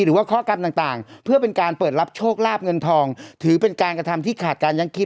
หรือว่าข้อกรรมต่างเพื่อเป็นการเปิดรับโชคลาบเงินทองถือเป็นการกระทำที่ขาดการยังคิด